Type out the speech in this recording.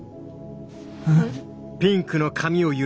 えっ？